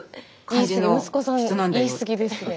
息子さん言い過ぎですね。